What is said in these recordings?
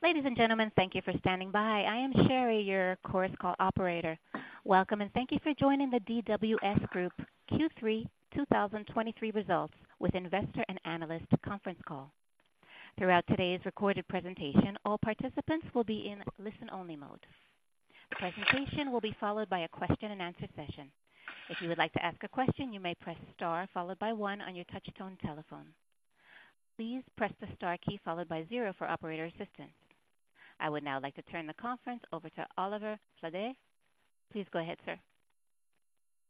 Ladies and gentlemen, thank you for standing by. I am Sherry, your Chorus Call operator. Welcome, and thank you for joining the DWS Group Q3 2023 results with Investor and Analyst conference call. Throughout today's recorded presentation, all participants will be in listen-only mode. The presentation will be followed by a question-and-answer session. If you would like to ask a question, you may press star, followed by one on your touchtone telephone. Please press the star key followed by zero for operator assistance. I would now like to turn the conference over to Oliver Flade. Please go ahead, sir.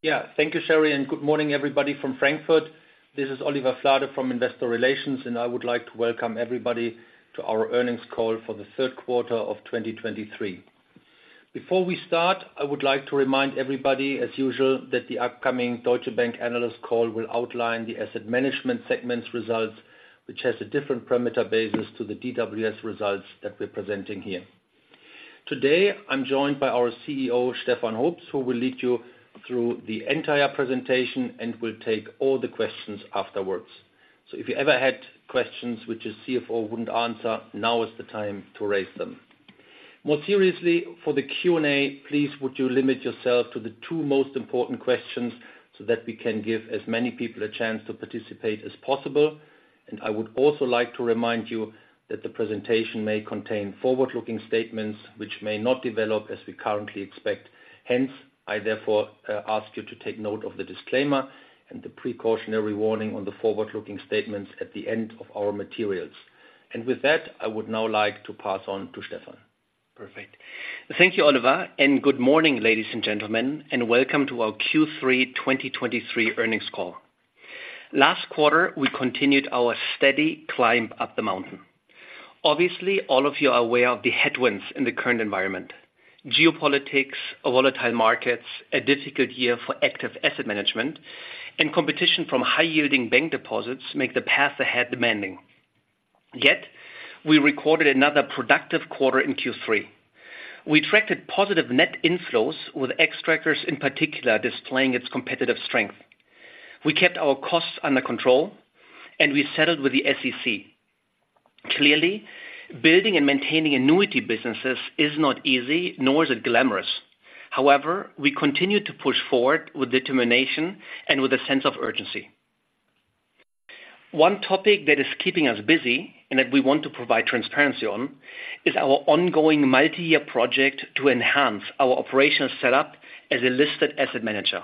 Yeah, thank you, Sherry, and good morning, everybody from Frankfurt. This is Oliver Flade from Investor Relations, and I would like to welcome everybody to our earnings call for the third quarter of 2023. Before we start, I would like to remind everybody, as usual, that the upcoming Deutsche Bank analyst call will outline the asset management segment's results, which has a different parameter basis to the DWS results that we're presenting here. Today, I'm joined by our CEO, Stefan Hoops, who will lead you through the entire presentation and will take all the questions afterwards. So if you ever had questions which your CFO wouldn't answer, now is the time to raise them. More seriously, for the Q&A, please, would you limit yourself to the two most important questions so that we can give as many people a chance to participate as possible? I would also like to remind you that the presentation may contain forward-looking statements which may not develop as we currently expect. Hence, I therefore ask you to take note of the disclaimer and the precautionary warning on the forward-looking statements at the end of our materials. With that, I would now like to pass on to Stefan. Perfect. Thank you, Oliver, and good morning, ladies and gentlemen, and welcome to our Q3 2023 earnings call. Last quarter, we continued our steady climb up the mountain. Obviously, all of you are aware of the headwinds in the current environment. Geopolitics, volatile markets, a difficult year for active asset management and competition from high-yield bank deposits make the path ahead demanding. Yet we recorded another productive quarter in Q3. We attracted positive net inflows, with Xtrackers, in particular, displaying its competitive strength. We kept our costs under control, and we settled with the SEC. Clearly, building and maintaining annuity businesses is not easy, nor is it glamorous. However, we continue to push forward with determination and with a sense of urgency. One topic that is keeping us busy and that we want to provide transparency on is our ongoing multi-year project to enhance our operational setup as a listed asset manager.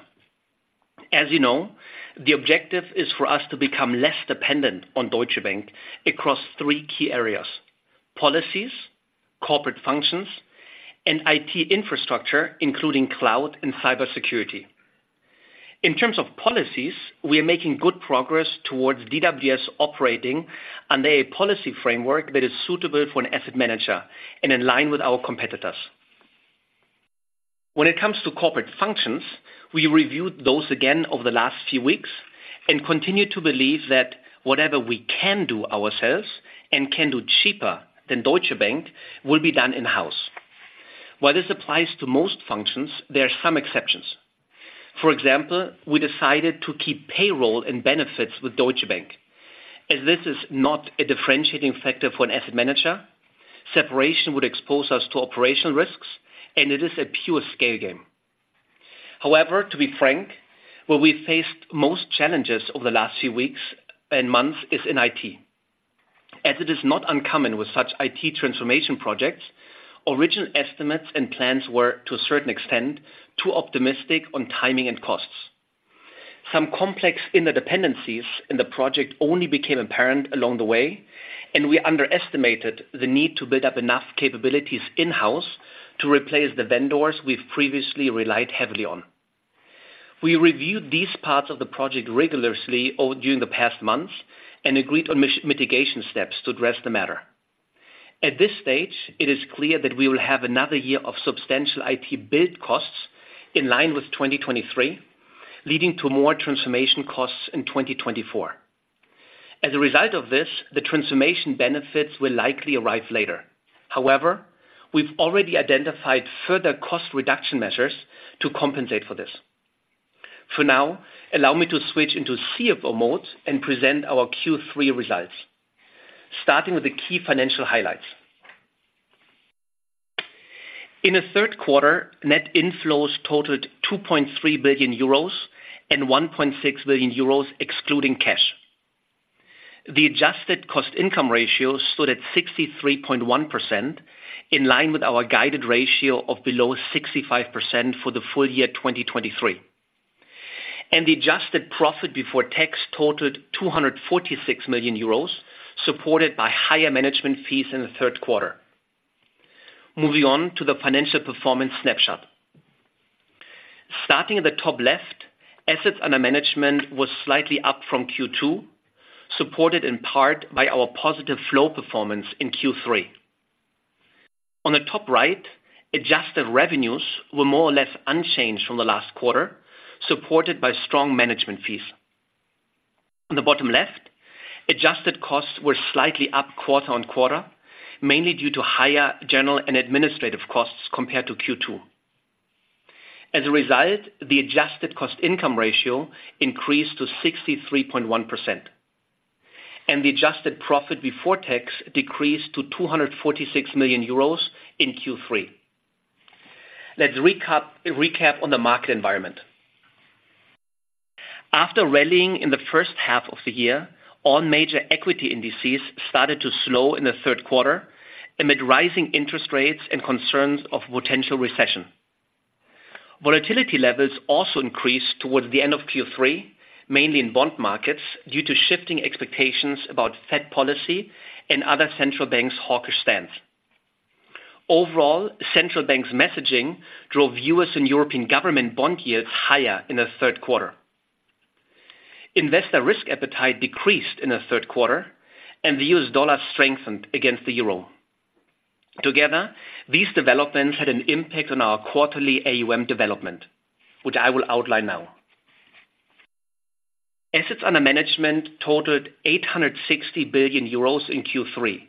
As you know, the objective is for us to become less dependent on Deutsche Bank across three key areas: policies, corporate functions, and IT infrastructure, including cloud and cybersecurity. In terms of policies, we are making good progress towards DWS operating under a policy framework that is suitable for an asset manager and in line with our competitors. When it comes to corporate functions, we reviewed those again over the last few weeks and continue to believe that whatever we can do ourselves and can do cheaper than Deutsche Bank will be done in-house. While this applies to most functions, there are some exceptions. For example, we decided to keep payroll and benefits with Deutsche Bank, as this is not a differentiating factor for an asset manager. Separation would expose us to operational risks, and it is a pure scale game. However, to be frank, where we faced most challenges over the last few weeks and months is in IT. As it is not uncommon with such IT transformation projects, original estimates and plans were, to a certain extent, too optimistic on timing and costs. Some complex interdependencies in the project only became apparent along the way, and we underestimated the need to build up enough capabilities in-house to replace the vendors we've previously relied heavily on. We reviewed these parts of the project rigorously all during the past months and agreed on mitigation steps to address the matter. At this stage, it is clear that we will have another year of substantial IT build costs in line with 2023, leading to more transformation costs in 2024. As a result of this, the transformation benefits will likely arrive later. However, we've already identified further cost reduction measures to compensate for this. For now, allow me to switch into CFO mode and present our Q3 results, starting with the key financial highlights. In the third quarter, net inflows totaled 2.3 billion euros and 1.6 billion euros excluding cash. The adjusted cost income ratio stood at 63.1%, in line with our guided ratio of below 65% for the full year 2023, and the adjusted profit before tax totaled 246 million euros, supported by higher management fees in the third quarter. Moving on to the financial performance snapshot. starting at the top left, assets under management was slightly up from Q2, supported in part by our positive flow performance in Q3. On the top right, adjusted revenues were more or less unchanged from the last quarter, supported by strong management fees. On the bottom left, adjusted costs were slightly up quarter-over-quarter, mainly due to higher general and administrative costs compared to Q2. As a result, the adjusted cost income ratio increased to 63.1%, and the adjusted profit before tax decreased to 246 million euros in Q3. Let's recap on the market environment. After rallying in the first half of the year, all major equity indices started to slow in the third quarter, amid rising interest rates and concerns of potential recession. Volatility levels also increased towards the end of Q3, mainly in bond markets, due to shifting expectations about Fed policy and other central banks' hawkish stance. Overall, central banks' messaging drove U.S. and European government bond yields higher in the third quarter. Investor risk appetite decreased in the third quarter, and the U.S. dollar strengthened against the euro. Together, these developments had an impact on our quarterly AUM development, which I will outline now. Assets under management totaled 860 billion euros in Q3,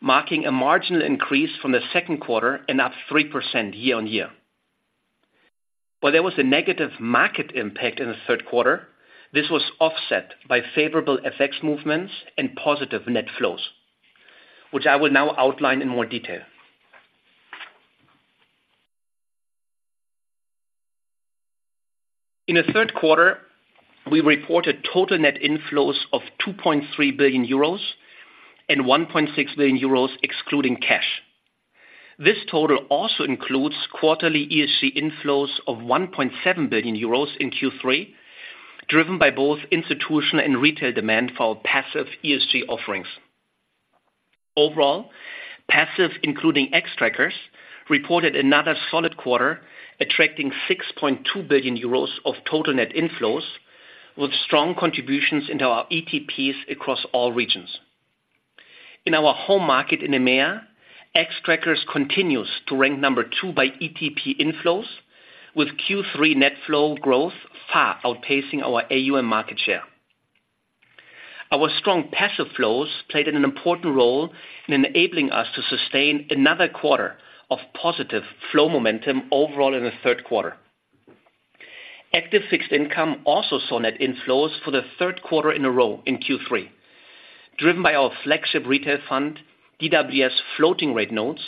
marking a marginal increase from the second quarter and up 3% year-on-year. While there was a negative market impact in the third quarter, this was offset by favorable FX movements and positive net flows, which I will now outline in more detail. In the third quarter, we reported total net inflows of 2.3 billion euros and 1.6 billion euros excluding cash. This total also includes quarterly ESG inflows of 1.7 billion euros in Q3, driven by both institutional and retail demand for our passive ESG offerings. Overall, passive, including Xtrackers, reported another solid quarter, attracting 6.2 billion euros of total net inflows, with strong contributions into our ETPs across all regions. In our home market in EMEA, Xtrackers continues to rank number two by ETP inflows, with Q3 net flow growth far outpacing our AUM market share. Our strong passive flows played an important role in enabling us to sustain another quarter of positive flow momentum overall in the third quarter. Active fixed income also saw net inflows for the third quarter in a row in Q3, driven by our flagship retail fund, DWS Floating Rate Notes,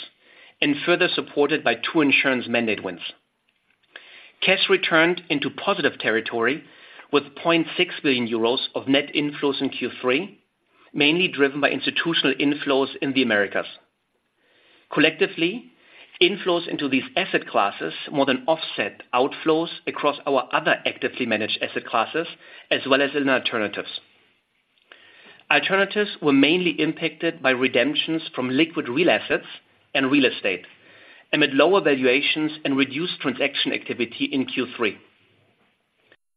and further supported by two insurance mandate wins. Cash returned into positive territory with 0.6 billion euros of net inflows in Q3, mainly driven by institutional inflows in the Americas. Collectively, inflows into these asset classes more than offset outflows across our other actively managed asset classes, as well as in alternatives. Alternatives were mainly impacted by redemptions from liquid real assets and real estate, amid lower valuations and reduced transaction activity in Q3.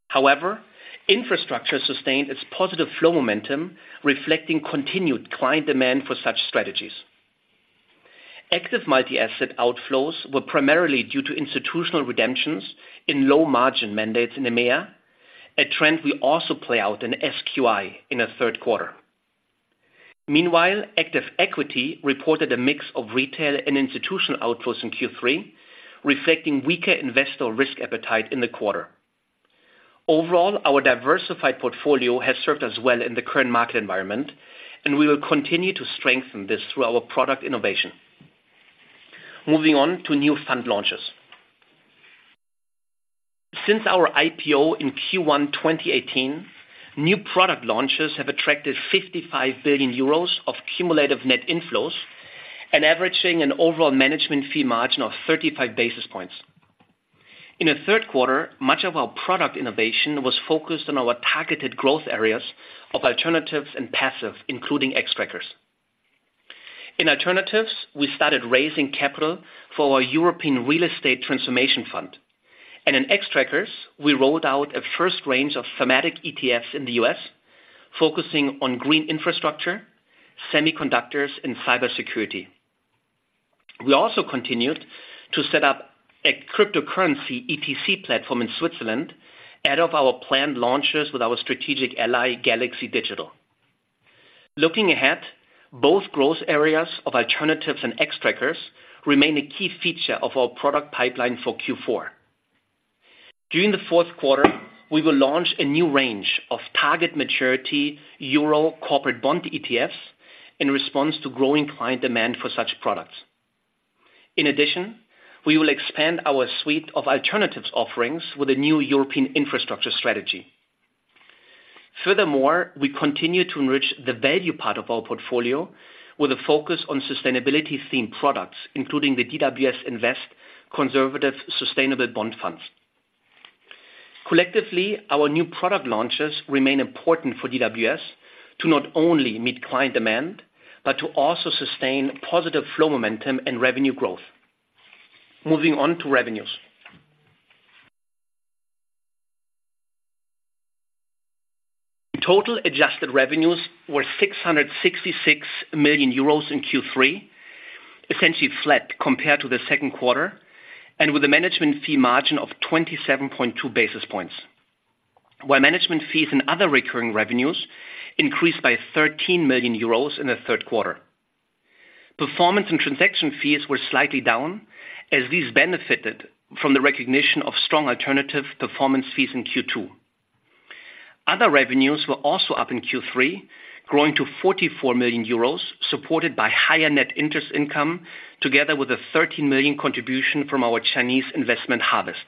However, infrastructure sustained its positive flow momentum, reflecting continued client demand for such strategies. Active multi-asset outflows were primarily due to institutional redemptions in low-margin mandates in EMEA, a trend we also play out in SQI in the third quarter. Meanwhile, active equity reported a mix of retail and institutional outflows in Q3, reflecting weaker investor risk appetite in the quarter. Overall, our diversified portfolio has served us well in the current market environment, and we will continue to strengthen this through our product innovation. Moving on to new fund launches. Since our IPO in Q1 2018, new product launches have attracted 55 billion euros of cumulative net inflows and averaging an overall management fee margin of 35 basis points. In the third quarter, much of our product innovation was focused on our targeted growth areas of alternatives and passive, including Xtrackers. In alternatives, we started raising capital for our European Real Estate Transformation Fund, and in Xtrackers, we rolled out a first range of thematic ETFs in the U.S., focusing on green infrastructure, semiconductors, and cybersecurity. We also continued to set up a cryptocurrency ETC platform in Switzerland ahead of our planned launches with our strategic ally, Galaxy Digital. Looking ahead, both growth areas of alternatives and Xtrackers remain a key feature of our product pipeline for Q4. During the fourth quarter, we will launch a new range of target maturity euro corporate bond ETFs in response to growing client demand for such products. In addition, we will expand our suite of alternatives offerings with a new European infrastructure strategy. Furthermore, we continue to enrich the value part of our portfolio with a focus on sustainability-themed products, including the DWS Invest Conservative Sustainable Bond funds. Collectively, our new product launches remain important for DWS to not only meet client demand, but to also sustain positive flow momentum and revenue growth. Moving on to revenues. Total adjusted revenues were 666 million euros in Q3, essentially flat compared to the second quarter, and with a management fee margin of 27.2 basis points, where management fees and other recurring revenues increased by 13 million euros in the third quarter. Performance and transaction fees were slightly down, as these benefited from the recognition of strong alternative performance fees in Q2. Other revenues were also up in Q3, growing to 44 million euros, supported by higher net interest income, together with a 13 million contribution from our Chinese investment Harvest.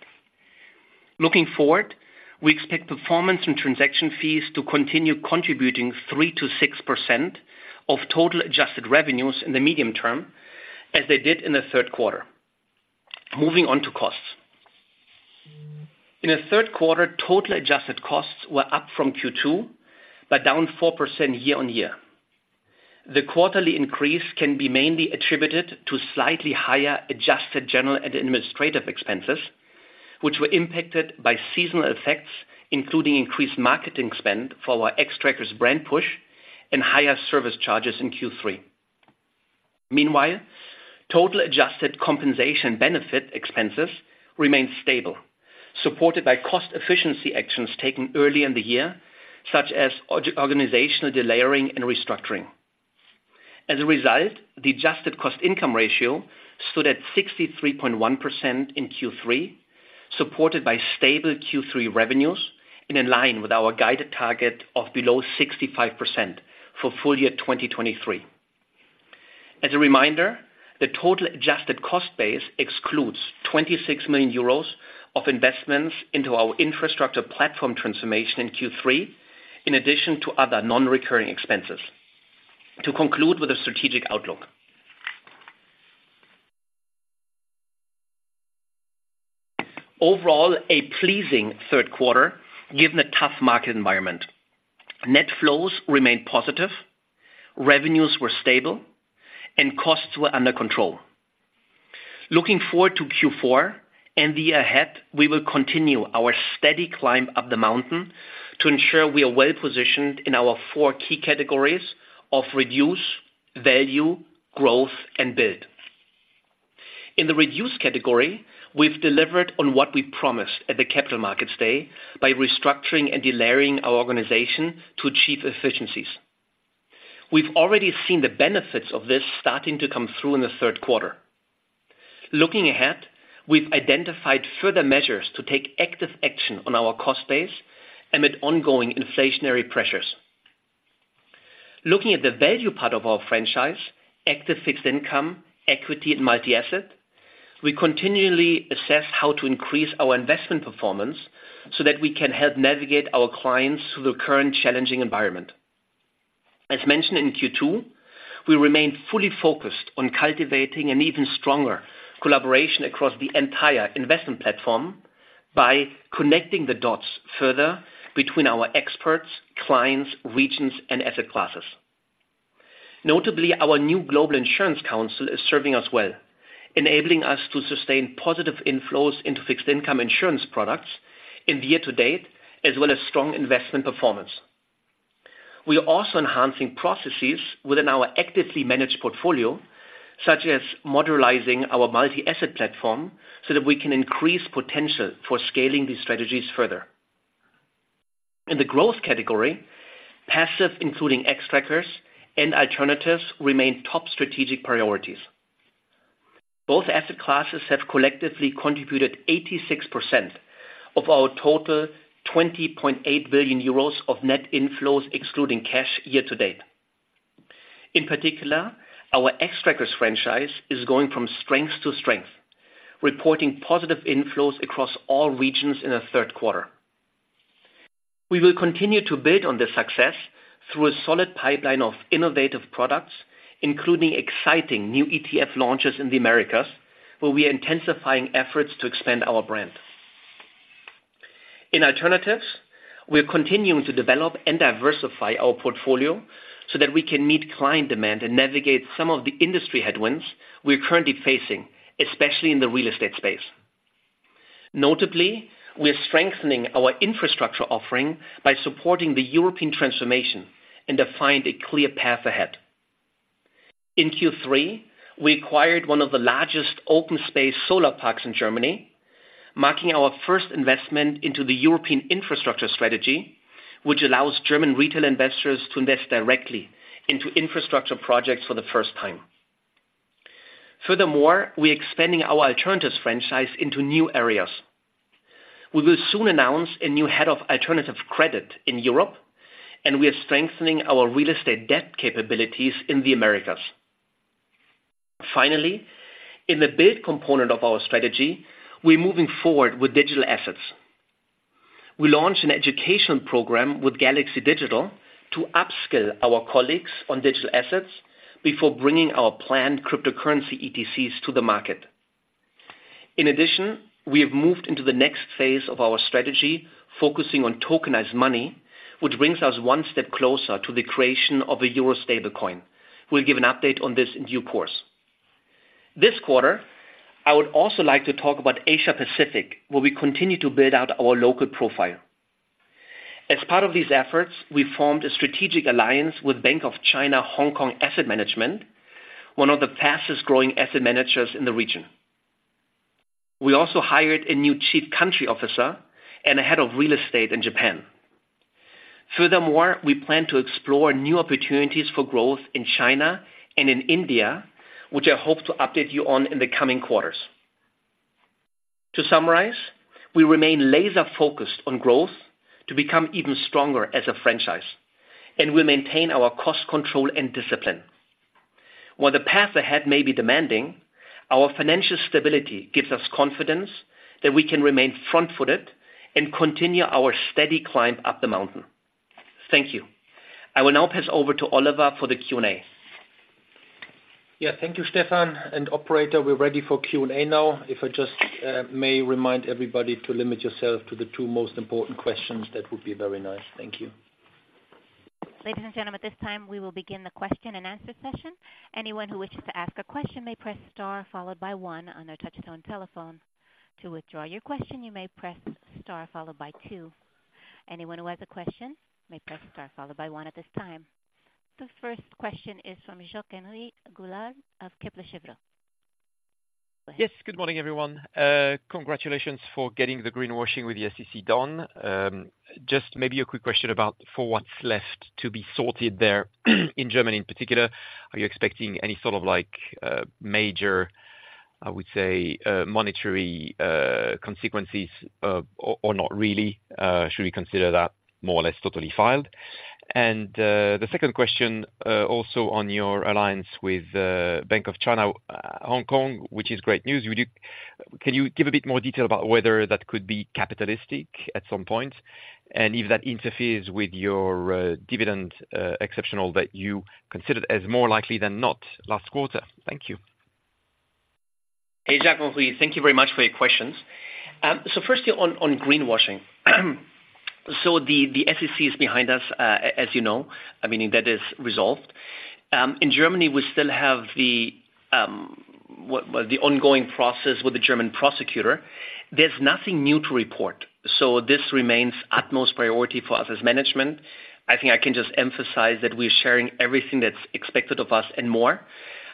Looking forward, we expect performance and transaction fees to continue contributing 3%-6% of total adjusted revenues in the medium term, as they did in the third quarter. Moving on to costs. In the third quarter, total adjusted costs were up from Q2, but down 4% year-on-year. The quarterly increase can be mainly attributed to slightly higher adjusted general and administrative expenses, which were impacted by seasonal effects, including increased marketing spend for our Xtrackers brand push and higher service charges in Q3. Meanwhile, total adjusted compensation benefit expenses remained stable, supported by cost efficiency actions taken early in the year, such as organizational delayering and restructuring. As a result, the adjusted cost income ratio stood at 63.1% in Q3, supported by stable Q3 revenues and in line with our guided target of below 65% for full year 2023. As a reminder, the total adjusted cost base excludes 26 million euros of investments into our infrastructure platform transformation in Q3, in addition to other non-recurring expenses. To conclude with a strategic outlook. Overall, a pleasing third quarter, given the tough market environment. Net flows remained positive, revenues were stable, and costs were under control. Looking forward to Q4 and the year ahead, we will continue our steady climb up the mountain to ensure we are well-positioned in our four key categories of Reduce, Value, Growth, and Build. In the reduce category, we've delivered on what we promised at the Capital Markets Day by restructuring and delayering our organization to achieve efficiencies. We've already seen the benefits of this starting to come through in the third quarter. Looking ahead, we've identified further measures to take active action on our cost base amid ongoing inflationary pressures. Looking at the value part of our franchise, active fixed income, equity, and multi-asset, we continually assess how to increase our investment performance, so that we can help navigate our clients through the current challenging environment. As mentioned in Q2, we remain fully focused on cultivating an even stronger collaboration across the entire investment platform by connecting the dots further between our experts, clients, regions, and asset classes. Notably, our new Global Insurance Council is serving us well, enabling us to sustain positive inflows into fixed income insurance products in the year to date, as well as strong investment performance. We are also enhancing processes within our actively managed portfolio, such as modularizing our multi-asset platform, so that we can increase potential for scaling these strategies further. In the growth category, passive, including Xtrackers and alternatives, remain top strategic priorities. Both asset classes have collectively contributed 86% of our total 20.8 billion euros of net inflows, excluding cash year to date. In particular, our Xtrackers franchise is going from strength to strength, reporting positive inflows across all regions in the third quarter. We will continue to build on this success through a solid pipeline of innovative products, including exciting new ETF launches in the Americas, where we are intensifying efforts to expand our brand. In alternatives, we are continuing to develop and diversify our portfolio so that we can meet client demand and navigate some of the industry headwinds we're currently facing, especially in the real estate space. Notably, we are strengthening our infrastructure offering by supporting the European transformation and defined a clear path ahead. In Q3, we acquired one of the largest open space solar parks in Germany, marking our first investment into the European infrastructure strategy, which allows German retail investors to invest directly into infrastructure projects for the first time. Furthermore, we are expanding our alternatives franchise into new areas. We will soon announce a new head of alternative credit in Europe, and we are strengthening our real estate debt capabilities in the Americas. Finally, in the build component of our strategy, we're moving forward with digital assets. We launched an educational program with Galaxy Digital to upskill our colleagues on digital assets before bringing our planned cryptocurrency ETCs to the market. In addition, we have moved into the next phase of our strategy, focusing on tokenized money, which brings us one step closer to the creation of a euro stablecoin. We'll give an update on this in due course. This quarter, I would also like to talk about Asia Pacific, where we continue to build out our local profile. As part of these efforts, we formed a strategic alliance with Bank of China Hong Kong Asset Management, one of the fastest growing asset managers in the region. We also hired a new chief country officer and a head of real estate in Japan. Furthermore, we plan to explore new opportunities for growth in China and in India, which I hope to update you on in the coming quarters. To summarize, we remain laser focused on growth to become even stronger as a franchise, and we maintain our cost control and discipline. While the path ahead may be demanding, our financial stability gives us confidence that we can remain front-footed and continue our steady climb up the mountain. Thank you. I will now pass over to Oliver for the Q&A. Yeah. Thank you, Stefan, and operator, we're ready for Q&A now. If I just may remind everybody to limit yourself to the two most important questions, that would be very nice. Thank you. Ladies and gentlemen, at this time, we will begin the question and answer session. Anyone who wishes to ask a question may press star, followed by one on their touchtone telephone. To withdraw your question, you may press star followed by two. Anyone who has a question may press star followed by one at this time. The first question is from Jacques-Henri Gaulard of Kepler Cheuvreux. Yes, good morning, everyone. Congratulations for getting the greenwashing with the SEC done. Just maybe a quick question about for what's left to be sorted there, in Germany in particular, are you expecting any sort of like major, I would say, monetary consequences, or not really? Should we consider that more or less totally filed? And the second question, also on your alliance with Bank of China Hong Kong, which is great news. Can you give a bit more detail about whether that could be capitalistic at some point, and if that interferes with your dividend exceptional that you considered as more likely than not last quarter? Thank you. Hey, Jacques-Henri. Thank you very much for your questions. So firstly on, on greenwashing. So the, the SEC is behind us, as you know. I mean, that is resolved. In Germany, we still have the, what, the ongoing process with the German prosecutor. There's nothing new to report, so this remains utmost priority for us as management. I think I can just emphasize that we are sharing everything that's expected of us and more.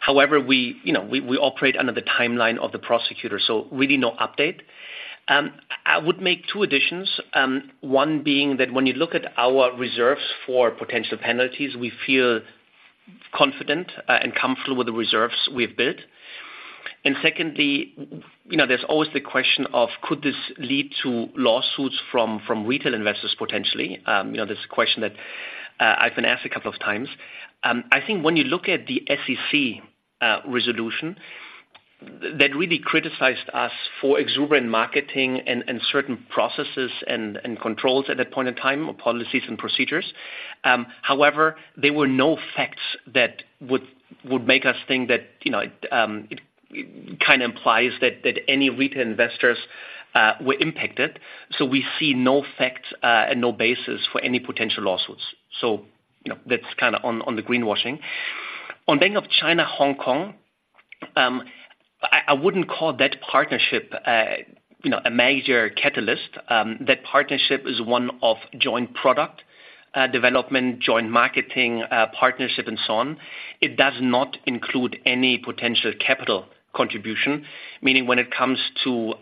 However, we, you know, we, we operate under the timeline of the prosecutor, so really no update. I would make two additions, one being that when you look at our reserves for potential penalties, we feel confident, and comfortable with the reserves we've built. And secondly, you know, there's always the question of, could this lead to lawsuits from, from retail investors potentially? You know, this is a question that I've been asked a couple of times. I think when you look at the SEC resolution, that really criticized us for exuberant marketing and certain processes and controls at that point in time, or policies and procedures. However, there were no facts that would make us think that, you know, it kinda implies that any retail investors were impacted. So we see no facts and no basis for any potential lawsuits. So, you know, that's kind of on the greenwashing. On Bank of China, Hong Kong, I wouldn't call that partnership, you know, a major catalyst. That partnership is one of joint product development, joint marketing, partnership and so on. It does not include any potential capital contribution, meaning when it comes to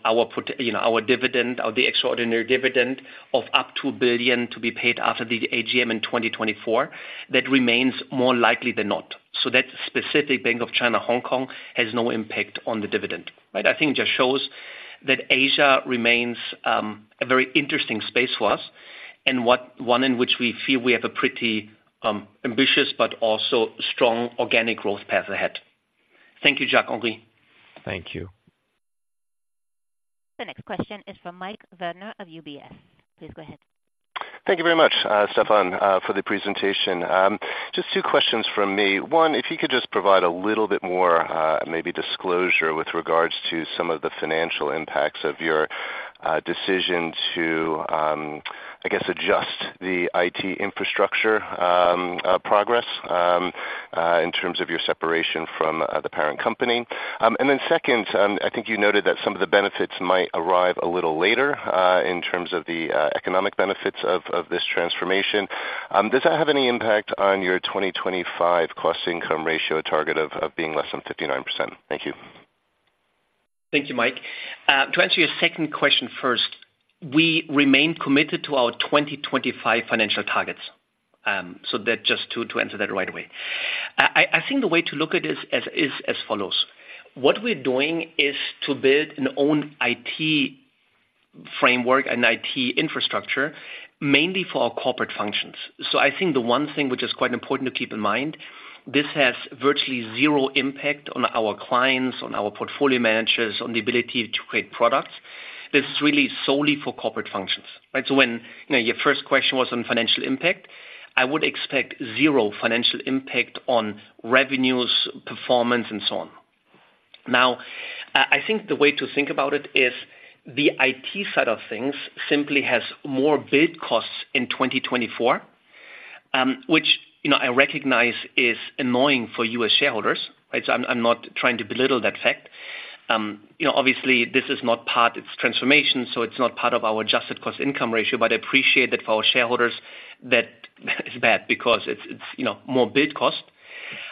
You know, our dividend or the extraordinary dividend of up to billion to be paid after the AGM in 2024, that remains more likely than not. So that specific Bank of China Hong Kong has no impact on the dividend, right? I think it just shows that Asia remains a very interesting space for us and one in which we feel we have a pretty ambitious but also strong organic growth path ahead. Thank you, Jacques-Henri. Thank you. The next question is from Mike Werner of UBS. Please go ahead. Thank you very much, Stefan, for the presentation. Just two questions from me. One, if you could just provide a little bit more, maybe disclosure with regards to some of the financial impacts of your decision to, I guess, adjust the IT infrastructure progress, in terms of your separation from the parent company. And then second, I think you noted that some of the benefits might arrive a little later, in terms of the economic benefits of this transformation. Does that have any impact on your 2025 cost income ratio target of being less than 59%? Thank you. Thank you, Mike. To answer your second question first, we remain committed to our 2025 financial targets. So that just to answer that right away. I think the way to look at this as is as follows: what we're doing is to build an own IT framework and IT infrastructure, mainly for our corporate functions. So I think the one thing which is quite important to keep in mind, this has virtually zero impact on our clients, on our portfolio managers, on the ability to create products. This is really solely for corporate functions, right? So when, you know, your first question was on financial impact, I would expect zero financial impact on revenues, performance, and so on. Now, I think the way to think about it is, the IT side of things simply has more build costs in 2024, which, you know, I recognize is annoying for you as shareholders, right? So I'm, I'm not trying to belittle that fact. You know, obviously this is not part of its transformation, so it's not part of our adjusted cost income ratio, but I appreciate that for our shareholders, that is bad because it's, it's, you know, more build cost.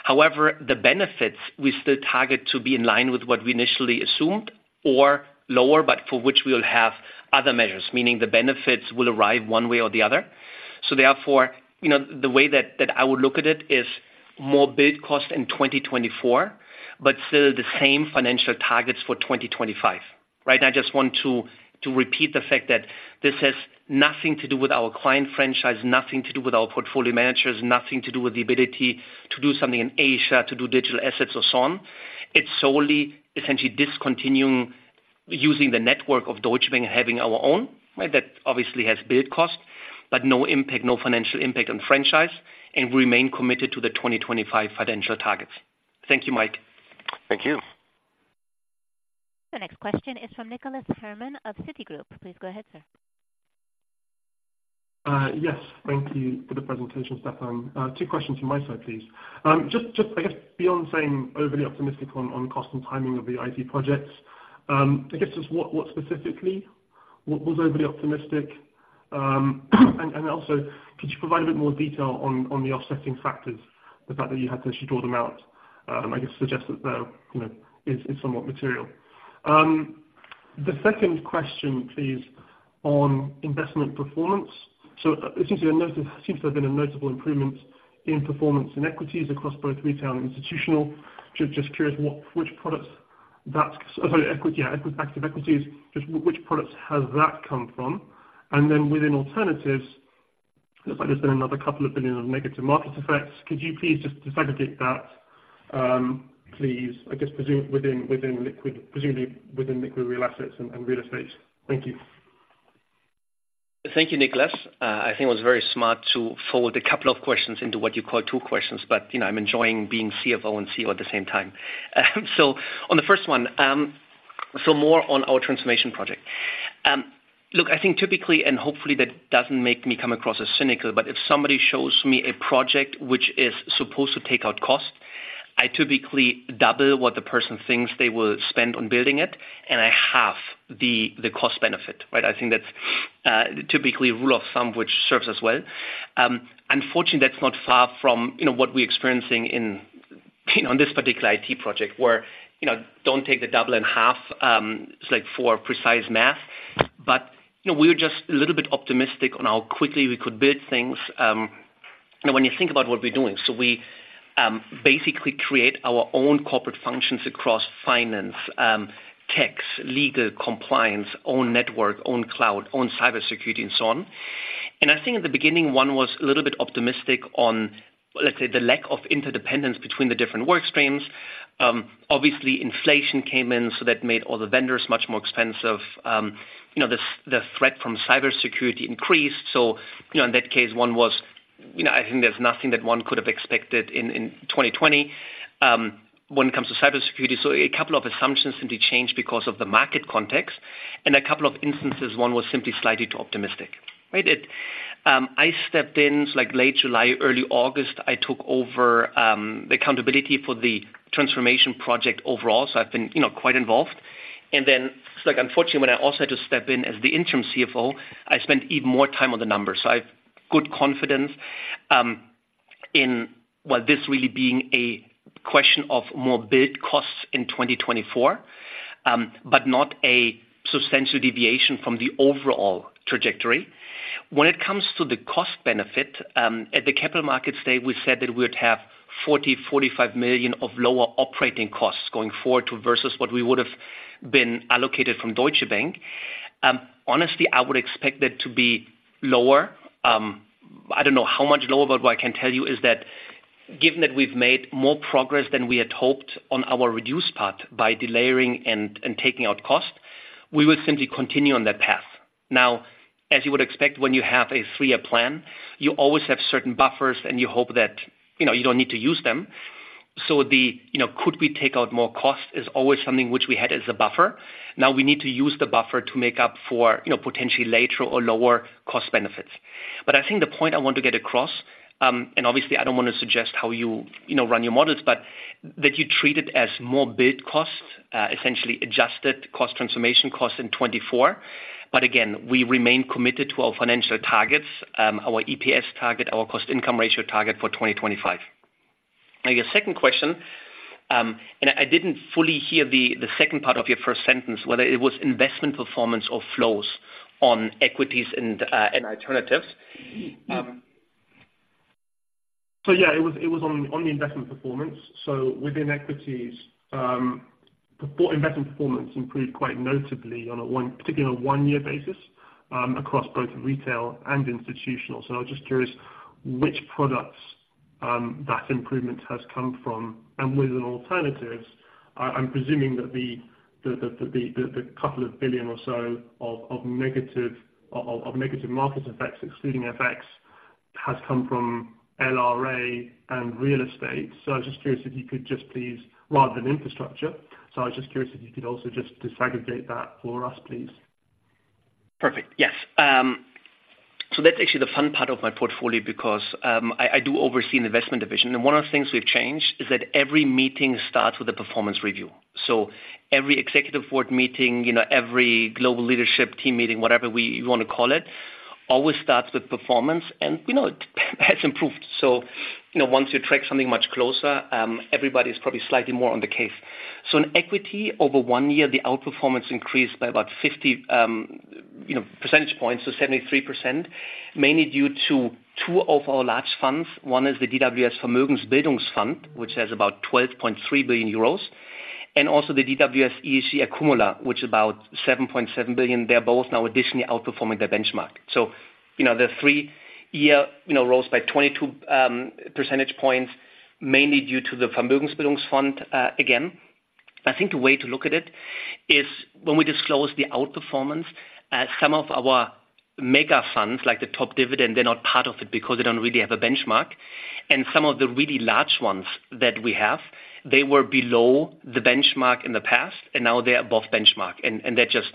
However, the benefits we still target to be in line with what we initially assumed or lower, but for which we'll have other measures, meaning the benefits will arrive one way or the other. So therefore, you know, the way that, that I would look at it is more build cost in 2024, but still the same financial targets for 2025, right? I just want to repeat the fact that this has nothing to do with our client franchise, nothing to do with our portfolio managers, nothing to do with the ability to do something in Asia, to do digital assets or so on. It's solely essentially discontinuing using the network of Deutsche Bank, having our own, right? That obviously has big cost, but no impact, no financial impact on franchise and remain committed to the 2025 financial targets. Thank you, Mike. Thank you. The next question is from Nicholas Herman of Citigroup. Please go ahead, sir. Yes, thank you for the presentation, Stefan. Two questions from my side, please. Just, I guess beyond saying overly optimistic on cost and timing of the IT projects, I guess, just what specifically what was overly optimistic? And also, could you provide a bit more detail on the offsetting factors, the fact that you had to actually draw them out, I guess suggest that there you know is somewhat material. The second question, please, on investment performance. So it seems to have been a notable improvement in performance in equities across both retail and institutional. Just curious, what which products that's – sorry, equity, yeah, active equities. Just which products has that come from? And then within alternatives, looks like there's been another couple of billion EUR of negative market effects. Could you please just disaggregate that, please, I guess, presumed within liquid, presumably within Liquid Real Assets and real estate. Thank you. Thank you, Nicholas. I think it was very smart to forward a couple of questions into what you call two questions, but, you know, I'm enjoying being CFO and CEO at the same time. So on the first one, so more on our transformation project. Look, I think typically, and hopefully, that doesn't make me come across as cynical, but if somebody shows me a project which is supposed to take out cost, I typically double what the person thinks they will spend on building it, and I half the cost benefit, right? I think that's typically rule of thumb, which serves us well. Unfortunately, that's not far from, you know, what we're experiencing in, you know, on this particular IT project, where, you know, don't take the double and half, it's like for precise math, but, you know, we were just a little bit optimistic on how quickly we could build things. And when you think about what we're doing, so we basically create our own corporate functions across finance, tax, legal, compliance, own network, own cloud, own cybersecurity, and so on. And I think at the beginning, one was a little bit optimistic on, let's say, the lack of interdependence between the different work streams. Obviously, inflation came in, so that made all the vendors much more expensive. You know, the threat from cybersecurity increased, so, you know, in that case, one was, you know, I think there's nothing that one could have expected in 2020, when it comes to cybersecurity. So a couple of assumptions need to change because of the market context, and a couple of instances, one was simply slightly too optimistic, right? It. I stepped in, like, late July, early August. I took over the accountability for the transformation project overall, so I've been, you know, quite involved. And then, it's like, unfortunately, when I also had to step in as the interim CFO, I spent even more time on the numbers. So I've good confidence in, well, this really being a question of more bid costs in 2024, but not a substantial deviation from the overall trajectory. When it comes to the cost benefit, at the capital markets day, we said that we would have 40 million-45 million of lower operating costs going forward to versus what we would have been allocated from Deutsche Bank. Honestly, I would expect that to be lower. I don't know how much lower, but what I can tell you is that given that we've made more progress than we had hoped on our reduced part by delayering and taking out costs, we would simply continue on that path. Now, as you would expect, when you have a three-year plan, you always have certain buffers, and you hope that, you know, you don't need to use them. So you know, could we take out more costs is always something which we had as a buffer. Now we need to use the buffer to make up for, you know, potentially later or lower cost benefits. But I think the point I want to get across, and obviously, I don't want to suggest how you, you know, run your models, but that you treat it as more fixed costs, essentially adjusted cost transformation costs in 2024. But again, we remain committed to our financial targets, our EPS target, our cost-income ratio target for 2025. Now, your second question, and I, I didn't fully hear the, the second part of your first sentence, whether it was investment performance or flows on equities and, and alternatives. Yeah, it was on the investment performance. So within equities, investment performance improved quite notably on a one-year basis, across both retail and institutional. So I was just curious which products that improvement has come from? And within alternatives, I'm presuming that the 2 billion or so of negative market effects, excluding FX, has come from LRA and real estate, rather than infrastructure. So I was just curious if you could just please disaggregate that for us, please. Perfect. Yes. So that's actually the fun part of my portfolio because, I, I do oversee an investment division, and one of the things we've changed is that every meeting starts with a performance review. So every executive board meeting, you know, every global leadership, team meeting, whatever we- you want to call it- always starts with performance, and we know it has improved. So, you know, once you track something much closer, everybody's probably slightly more on the case. So in equity, over one year, the outperformance increased by about 50, you know, percentage points, so 73%, mainly due to two of our large funds. One is the DWS Vermögensbildungsfonds, which has about 12.3 billion euros, and also the DWS ESG Akkumula, which is about 7.7 billion. They're both now additionally outperforming their benchmark. So, you know, the three-year, you know, rose by 22 percentage points, mainly due to the Vermögensbeheer Fund, again. I think the way to look at it is when we disclose the outperformance as some of our mega funds, like the top dividend, they're not part of it because they don't really have a benchmark. And some of the really large ones that we have, they were below the benchmark in the past, and now they are above benchmark, and, and they're just,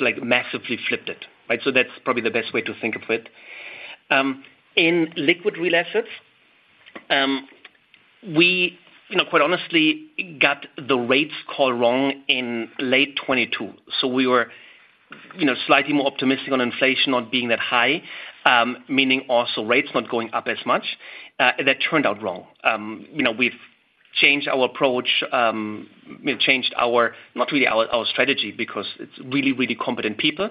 like, massively flipped it, right? So that's probably the best way to think of it. In liquid real assets, we, you know, quite honestly got the rates call wrong in late 2022, so we were, you know, slightly more optimistic on inflation not being that high, meaning also rates not going up as much. That turned out wrong. You know, we've changed our approach, changed our—not really our strategy because it's really, really competent people.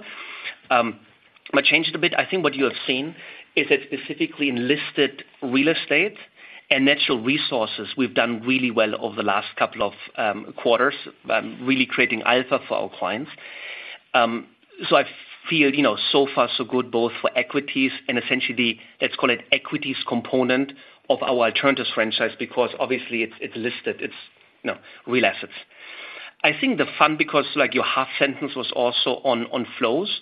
But changed a bit. I think what you have seen is that specifically in listed real estate and natural resources, we've done really well over the last couple of quarters, really creating alpha for our clients. So I feel, you know, so far, so good, both for equities and essentially, let's call it equities component of our alternatives franchise, because obviously it's listed, it's, you know, real assets. I think the fund, because, like, your half sentence was also on flows.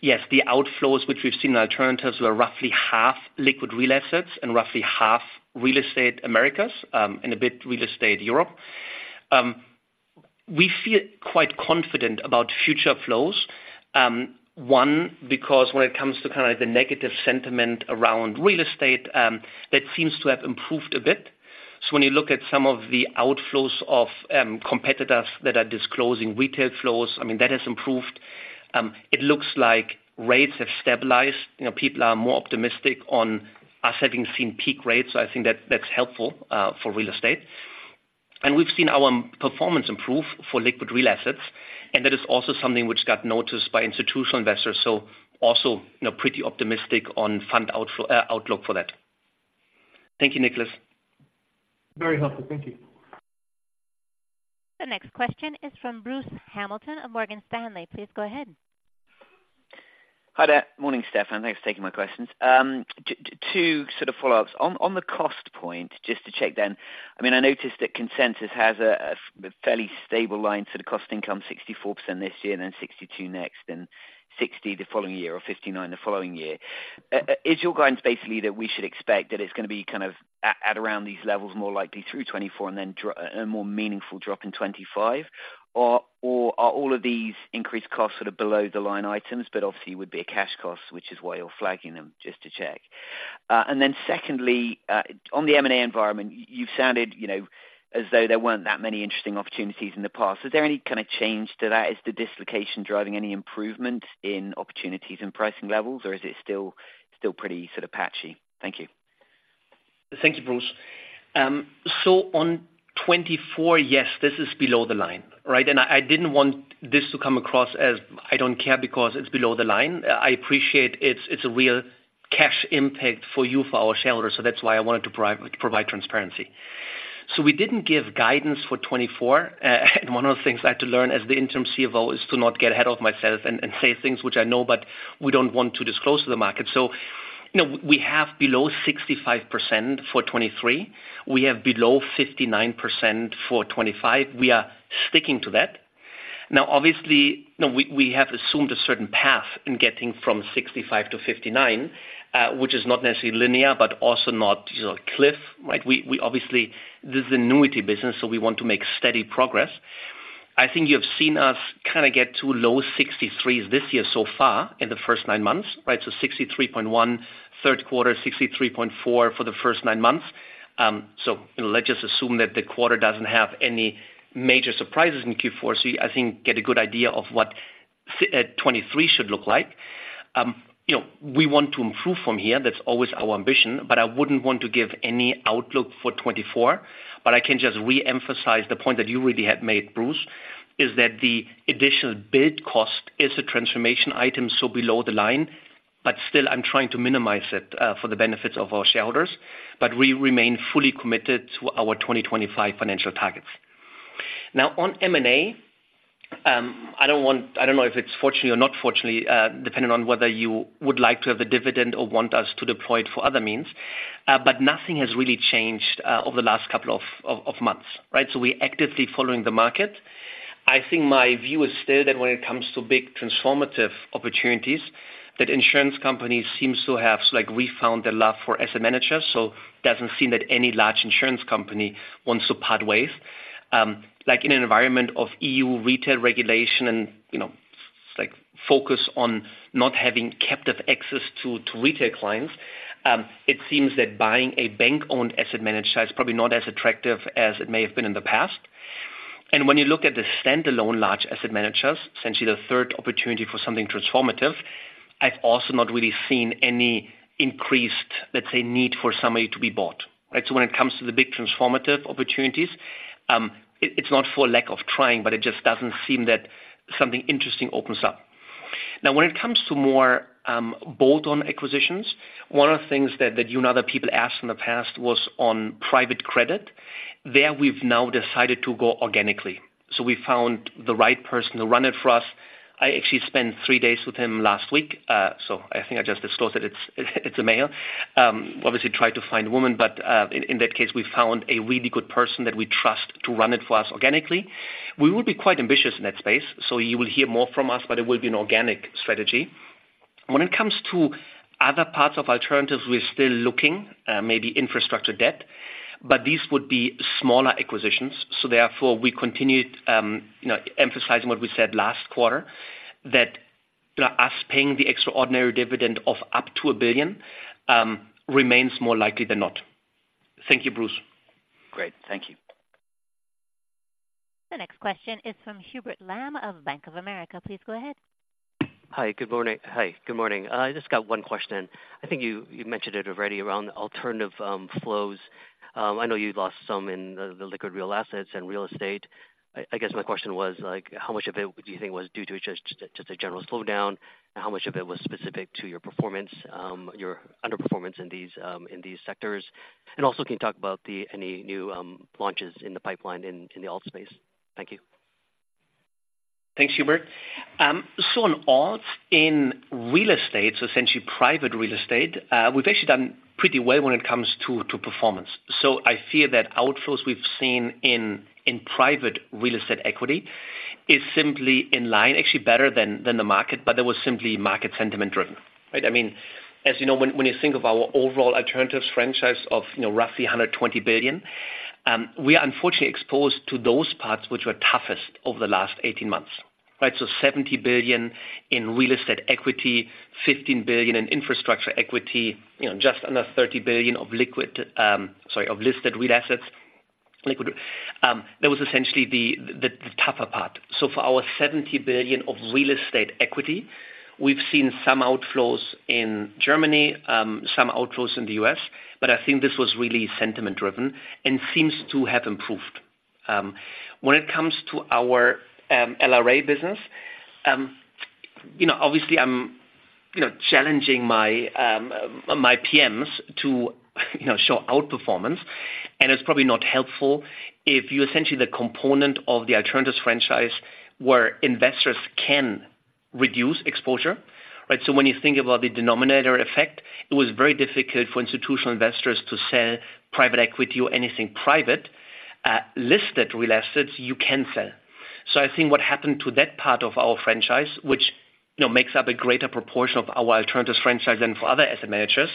Yes, the outflows which we've seen in alternatives were roughly half liquid real assets and roughly half real estate Americas, and a bit real estate Europe. We feel quite confident about future flows. One, because when it comes to kind of the negative sentiment around real estate, that seems to have improved a bit. So when you look at some of the outflows of competitors that are disclosing retail flows, I mean, that has improved. It looks like rates have stabilized. You know, people are more optimistic on us having seen peak rates. So I think that that's helpful for real estate. And we've seen our performance improve for liquid real assets, and that is also something which got noticed by institutional investors. So also, you know, pretty optimistic on outlook for that. Thank you, Nicholas. Very helpful. Thank you. The next question is from Bruce Hamilton of Morgan Stanley. Please go ahead. Hi there. Morning, Stefan. Thanks for taking my questions. Two sort of follow-ups. On the cost point, just to check then, I mean, I noticed that consensus has a fairly stable line for the cost income, 64% this year, and then 62% next, and 60% the following year, or 59% the following year. Is your guidance basically that we should expect that it's gonna be kind of at around these levels, more likely through 2024, and then a more meaningful drop in 2025? Or are all of these increased costs sort of below the line items, but obviously would be a cash cost, which is why you're flagging them? Just to check. And then secondly, on the M&A environment, you've sounded, you know, as though there weren't that many interesting opportunities in the past. Is there any kind of change to that? Is the dislocation driving any improvement in opportunities and pricing levels, or is it still, still pretty sort of patchy? Thank you. Thank you, Bruce. So on 2024, yes, this is below the line, right? And I, I didn't want this to come across as I don't care because it's below the line. I appreciate it's, it's a real cash impact for you, for our shareholders, so that's why I wanted to provide transparency. So we didn't give guidance for 2024, and one of the things I had to learn as the interim CFO is to not get ahead of myself and, and say things which I know, but we don't want to disclose to the market. So, you know, we have below 65% for 2023. We have below 59% for 2025. We are sticking to that. Now, obviously, you know, we, we have assumed a certain path in getting from 65% to 59%, which is not necessarily linear, but also not, you know, a cliff, right? We, we obviously, this is an annuity business, so we want to make steady progress. I think you have seen us kind of get to low 63s this year so far in the first nine months, right? So 63.1%, third quarter, 63.4% for the first nine months. So let's just assume that the quarter doesn't have any major surprises in Q4. So I think get a good idea of what 2023 should look like. You know, we want to improve from here. That's always our ambition, but I wouldn't want to give any outlook for 2024. But I can just reemphasize the point that you really had made, Bruce, is that the additional build cost is a transformation item, so below the line, but still I'm trying to minimize it for the benefits of our shareholders. But we remain fully committed to our 2025 financial targets. Now, on M&A, I don't know if it's fortunately or not fortunately, depending on whether you would like to have a dividend or want us to deploy it for other means, but nothing has really changed over the last couple of months, right? So we're actively following the market. I think my view is still that when it comes to big transformative opportunities, that insurance companies seems to have, like, refound their love for asset managers. So doesn't seem that any large insurance company wants to part ways. Like in an environment of EU retail regulation and, you know, like, focus on not having captive access to retail clients, it seems that buying a bank-owned asset management side is probably not as attractive as it may have been in the past. And when you look at the standalone large asset managers, essentially the third opportunity for something transformative, I've also not really seen any increased, let's say, need for somebody to be bought, right? So when it comes to the big transformative opportunities, it's not for lack of trying, but it just doesn't seem that something interesting opens up. Now, when it comes to more bolt-on acquisitions, one of the things that you and other people asked in the past was on private credit. There, we've now decided to go organically. So we found the right person to run it for us. I actually spent three days with him last week, so I think I just disclosed that it's, it's a male. Obviously tried to find a woman, but, in, in that case, we found a really good person that we trust to run it for us organically. We will be quite ambitious in that space, so you will hear more from us, but it will be an organic strategy. When it comes to other parts of alternatives, we're still looking, maybe infrastructure debt, but these would be smaller acquisitions, so therefore, we continued emphasizing what we said last quarter, that us paying the extraordinary dividend of up to 1 billion remains more likely than not. Thank you, Bruce. Great, thank you. The next question is from Hubert Lam of Bank of America. Please go ahead. Hi, good morning. Hi, good morning. I just got one question. I think you mentioned it already around alternative flows. I know you lost some in the liquid real assets and real estate. I guess my question was like, how much of it do you think was due to just a general slowdown, and how much of it was specific to your performance, your underperformance in these sectors? And also, can you talk about any new launches in the pipeline in the alt space? Thank you. Thanks, Hubert. So on alts, in real estate, so essentially private real estate, we've actually done pretty well when it comes to, to performance. So I feel that outflows we've seen in, in private real estate equity is simply in line, actually better than, than the market, but there was simply market sentiment driven, right? I mean, as you know, when, when you think of our overall alternatives, franchise of, you know, roughly 120 billion, we are unfortunately exposed to those parts which were toughest over the last 18 months, right? So 70 billion in real estate equity, 15 billion in infrastructure equity, you know, just under 30 billion of liquid. Sorry, of listed real assets, liquid. That was essentially the, the, the tougher part. So for our 70 billion of real estate equity, we've seen some outflows in Germany, some outflows in the U.S., but I think this was really sentiment driven and seems to have improved. When it comes to our LRA business, you know, obviously I'm you know, challenging my PMs to you know, show outperformance, and it's probably not helpful if you're essentially the component of the alternatives franchise where investors can reduce exposure, right? So when you think about the denominator effect, it was very difficult for institutional investors to sell private equity or anything private. Listed real assets, you can sell. So I think what happened to that part of our franchise, which, you know, makes up a greater proportion of our alternatives franchise than for other asset managers,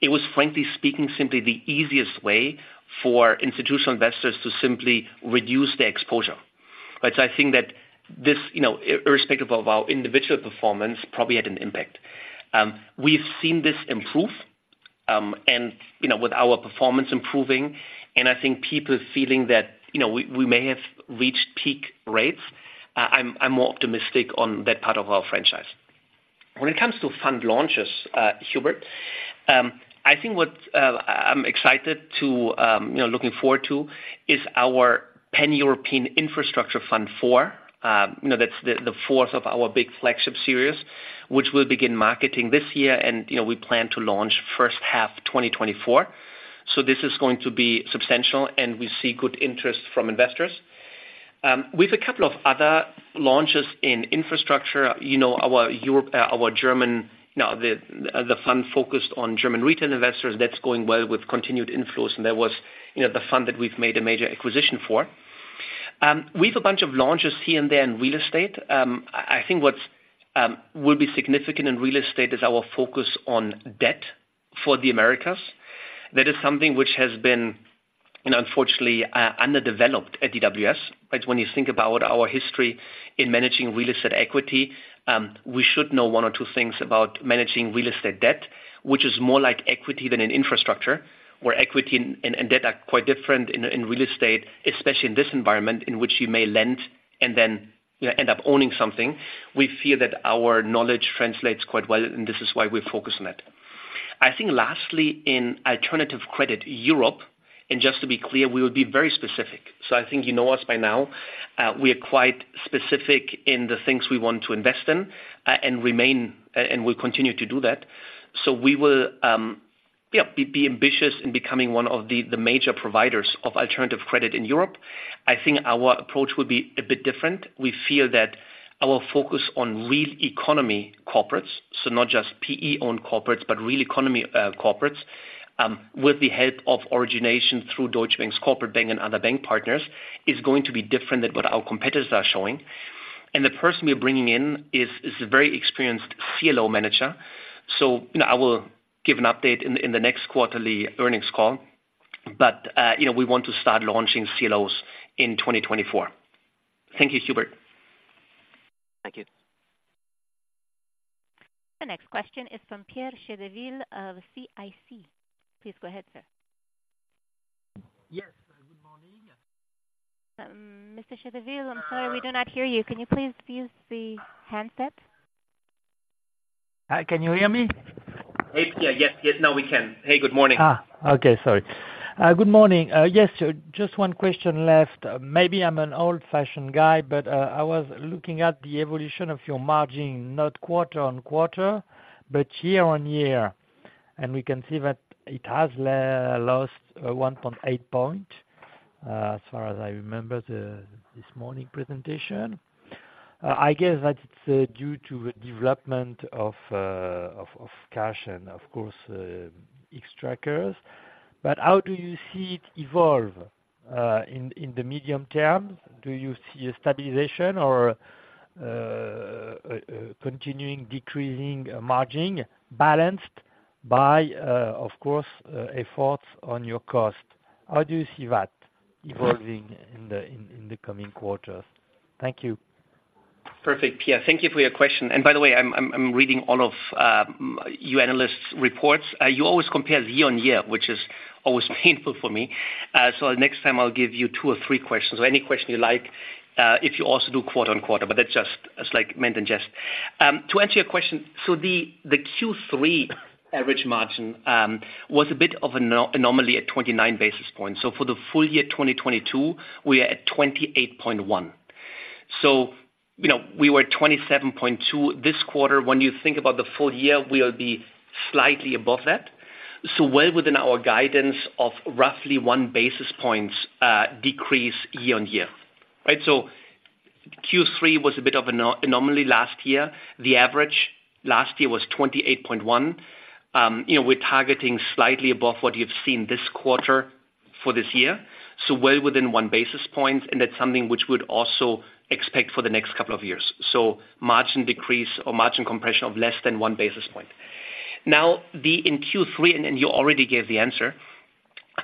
it was, frankly speaking, simply the easiest way for institutional investors to simply reduce their exposure, right? So I think that this, you know, irrespective of our individual performance, probably had an impact. We've seen this improve, and, you know, with our performance improving, and I think people feeling that, you know, we, we may have reached peak rates, I'm more optimistic on that part of our franchise. When it comes to fund launches, Hubert, I think what I'm excited to, you know, looking forward to, is our Pan-European Infrastructure Fund IV. You know, that's the fourth of our big flagship series, which we'll begin marketing this year, and we plan to launch first half of 2024. So this is going to be substantial, and we see good interest from investors. We've a couple of other launches in infrastructure. You know, our European, our German, you know, the fund focused on German retail investors, that's going well with continued inflows, and that was, you know, the fund that we've made a major acquisition for. We've a bunch of launches here and there in real estate. I think what will be significant in real estate is our focus on debt for the Americas. That is something which has been, you know, unfortunately, underdeveloped at DWS, right? When you think about our history in managing real estate equity, we should know one or two things about managing real estate debt, which is more like equity than an infrastructure, where equity and debt are quite different in real estate, especially in this environment, in which you may lend and then, you know, end up owning something. We feel that our knowledge translates quite well, and this is why we focus on it. I think lastly, in alternative credit, Europe, and just to be clear, we will be very specific. So I think you know us by now, we are quite specific in the things we want to invest in, and remain and we'll continue to do that. So we will be ambitious in becoming one of the major providers of alternative credit in Europe. I think our approach will be a bit different. We feel that our focus on real economy corporates, so not just PE-owned corporates, but real economy corporates, with the help of origination through Deutsche Bank's corporate bank and other bank partners, is going to be different than what our competitors are showing. The person we are bringing in is a very experienced CLO manager. So, you know, I will give an update in the next quarterly earnings call, but, you know, we want to start launching CLOs in 2024. Thank you, Hubert. Thank you. The next question is from Pierre Chédeville of CIC. Please go ahead, sir. Yes, good morning. Mr. Chédeville, I'm sorry, we do not hear you. Can you please use the handset? Hi, can you hear me? Yeah. Yes, yes, now we can. Hey, good morning. Ah! Okay, sorry. Good morning. Yes, just one question left. Maybe I'm an old-fashioned guy, but I was looking at the evolution of your margin, not quarter-on-quarter, but year-on-year, and we can see that it has lost 1.8 points, as far as I remember the this morning presentation. I guess that's due to the development of cash and of course Xtrackers. But how do you see it evolve in the medium term? Do you see a stabilization or continuing decreasing margin balanced by of course efforts on your cost? How do you see that evolving in the coming quarters? Thank you. Perfect, Pierre. Thank you for your question. And by the way, I'm reading all of you analysts' reports. You always compare year-on-year, which is always painful for me. So next time I'll give you two or three questions or any question you like, if you also do quarter-on-quarter, but that's just slightly meant in jest. To answer your question, so the Q3 average margin was a bit of an anomaly at 29 basis points. So for the full year, 2022, we are at 28.1. So, you know, we were at 27.2 this quarter. When you think about the full year, we'll be slightly above that, so well within our guidance of roughly 1 basis points decrease year-on-year. Right, so Q3 was a bit of an anomaly last year. The average last year was 28.1. You know, we're targeting slightly above what you've seen this quarter for this year, so well within 1 basis point, and that's something which we'd also expect for the next couple of years. So margin decrease or margin compression of less than 1 basis point. Now, in Q3, and you already gave the answer,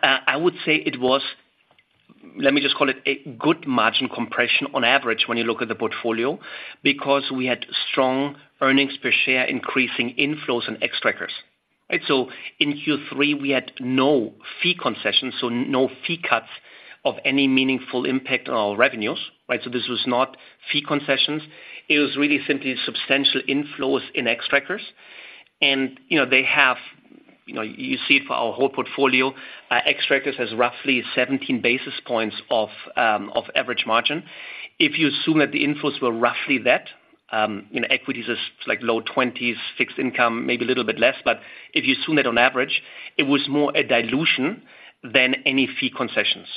I would say it was, let me just call it a good margin compression on average when you look at the portfolio, because we had strong earnings per share, increasing inflows in Xtrackers. Right, so in Q3, we had no fee concessions, so no fee cuts of any meaningful impact on our revenues, right? So this was not fee concessions. It was really simply substantial inflows in Xtrackers. You know, they have, you know, you see it for our whole portfolio. Xtrackers has roughly 17 basis points of average margin. If you assume that the inflows were roughly that, you know, equities is like low twenties, fixed income, maybe a little bit less. But if you assume that on average, it was more a dilution than any fee concessions.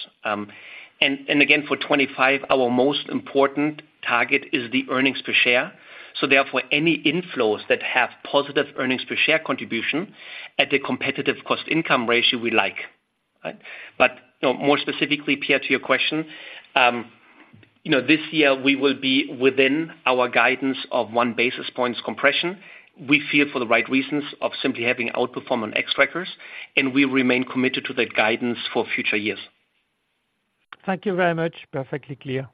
And again, for 2025, our most important target is the earnings per share, so therefore, any inflows that have positive earnings per share contribution at a competitive cost-income ratio, we like, right? But, you know, more specifically, Pierre, to your question, you know, this year we will be within our guidance of 1 basis point compression, we feel for the right reasons of simply having outperform on Xtrackers, and we remain committed to that guidance for future years. Thank you very much. Perfectly clear.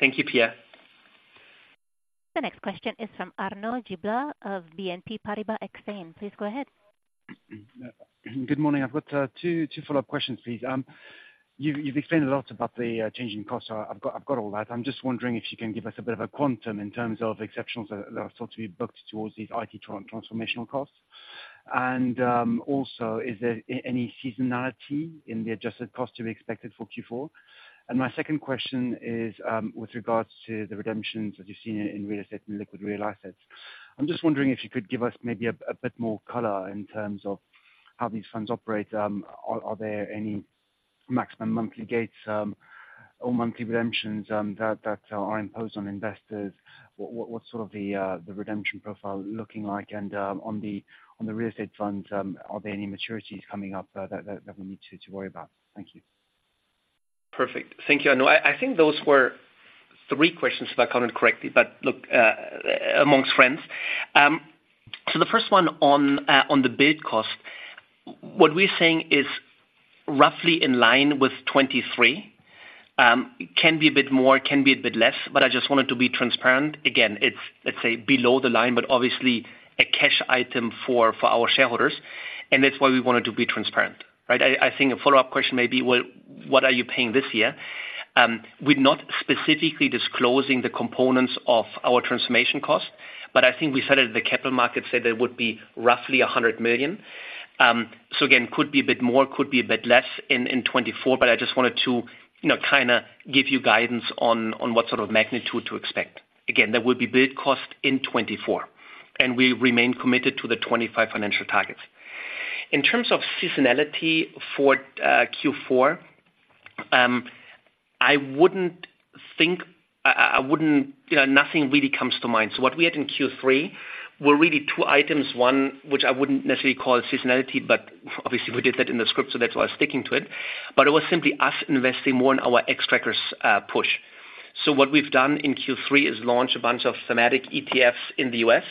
Thank you, Pierre. The next question is from Arnaud Giblat of BNP Paribas Exane. Please go ahead. Good morning. I've got two follow-up questions, please. You've explained a lot about the changing costs, so I've got all that. I'm just wondering if you can give us a bit of a quantum in terms of exceptionals that are thought to be booked towards these IT transformational costs. And also, is there any seasonality in the adjusted cost to be expected for Q4? And my second question is, with regards to the redemptions that you've seen in real estate and liquid real assets. I'm just wondering if you could give us maybe a bit more color in terms of how these funds operate. Are there any maximum monthly gates or monthly redemptions that are imposed on investors? What's sort of the redemption profile looking like? On the real estate front, are there any maturities coming up that we need to worry about? Thank you. Perfect. Thank you, Arnaud. I think those were three questions, if I counted correctly, but look, among friends. So the first one on the bid cost, what we're saying is roughly in line with 2023. Can be a bit more, can be a bit less, but I just wanted to be transparent. Again, it's, let's say, below the line, but obviously a cash item for our shareholders, and that's why we wanted to be transparent, right? I think a follow-up question may be: Well, what are you paying this year? We're not specifically disclosing the components of our transformation costs, but I think we said at the Capital Markets Day they would be roughly 100 million. So again, could be a bit more, could be a bit less in 2024, but I just wanted to, you know, kind of give you guidance on what sort of magnitude to expect. Again, there will be big cost in 2024, and we remain committed to the 2025 financial targets. In terms of seasonality for Q4, I wouldn't think. You know, nothing really comes to mind. So what we had in Q3 were really two items, one, which I wouldn't necessarily call seasonality, but obviously we did that in the script, so that's why I'm sticking to it, but it was simply us investing more in our Xtrackers push. So what we've done in Q3 is launch a bunch of thematic ETFs in the U.S.